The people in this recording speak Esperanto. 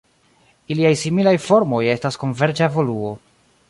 Iliaj similaj formoj estas konverĝa evoluo.